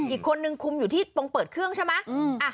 อีกคนนึงคุมอยู่ที่ตรงเปิดเครื่องใช่ไหม